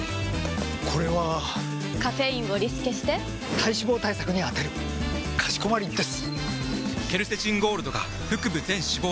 これはカフェインをリスケして体脂肪対策に充てるかしこまりです！！